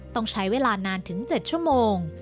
ต้องใช้เวลานานถึง๗ชั่วโมง